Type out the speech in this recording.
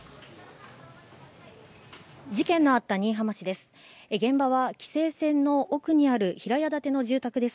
事件のあった新居浜市です。